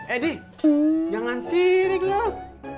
eh dih jangan sirik loh